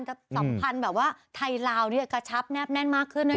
สัมพันธ์แบบว่าไทยลาวเนี่ยกระชับแน่นมากขึ้นด้วยนะคะ